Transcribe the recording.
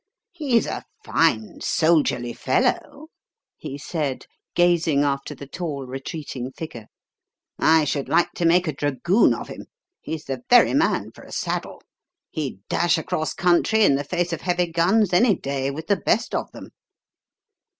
"He's a fine soldierly fellow," he said, gazing after the tall retreating figure. "I should like to make a dragoon of him. He's the very man for a saddle. He'd dash across country in the face of heavy guns any day with the best of them."